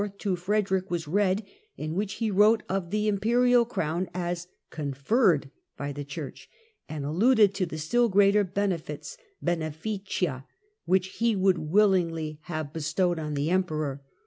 to Frederick was read, in which he wrote of the imperial crown as " conferred " by the Church, and alluded to the still greater "benefits" (benefida) which he would willingly have bestowed on the Emperor.